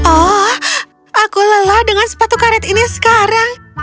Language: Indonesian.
oh aku lelah dengan sepatu karet ini sekarang